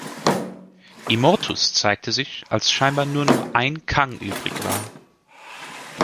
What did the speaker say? Immortus zeigte sich, als scheinbar nur noch ein Kang übrig war.